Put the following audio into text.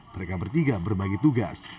mereka bertiga berbagi tugas